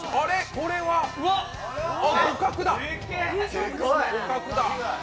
これは互角だ。